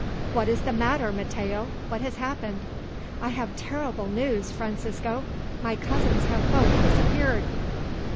"What is the matter, Matteo? What has happened?" "I have terrible news, Francisco. My cousins have both disappeared."